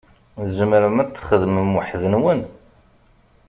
Tzemrem ad txedmem weḥd-nwen?